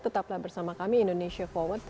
tetaplah bersama kami indonesia forward